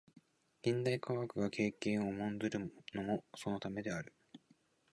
近代科学が経験を重んずるのもそのためである。